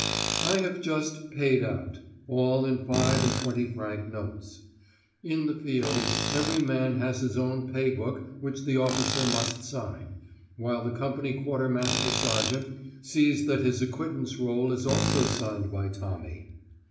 I have just 'paid out' all in five and twenty franc notes. 'In the field' every man has his own pay book which the officer must sign, while the company quartermaster sergeant sees that his acquittance roll is also signed by Tommy.